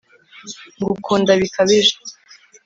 Ngukunda bikabije